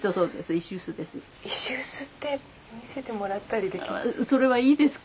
石臼って見せてもらったりできますか？